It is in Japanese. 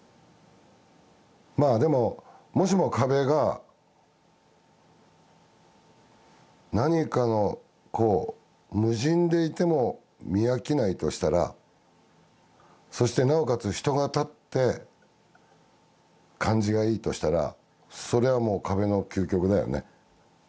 まあでももしも壁が何かのこう無人でいても見飽きないとしたらそしてなおかつ人が立って感じがいいとしたらそれはもう壁の究極だよね。